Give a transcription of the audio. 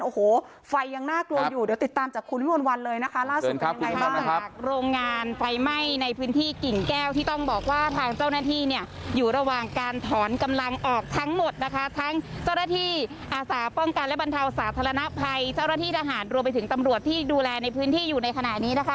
โอ้โหไฟยังน่ากลัวอยู่เดี๋ยวติดตามจากคุณวิววัลวัลเลยนะคะ